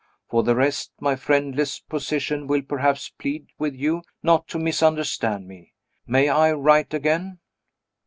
For the rest, my friendless position will perhaps plead with you not to misunderstand me. May I write again?"